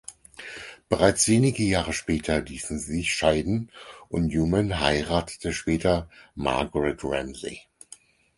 Bereits wenige Jahre später ließen sie sich scheiden und Newman heiratete später Margaret Ramsey.